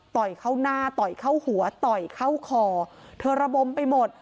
ต่อยเข้าหน้าต่อยเข้าหัวต่อยเข้าคอเธอระบมไปหมด